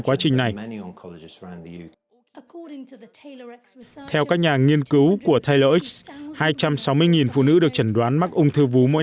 quá trình này theo các nhà nghiên cứu của tayloi x hai trăm sáu mươi phụ nữ được chẩn đoán mắc ung thư vú mỗi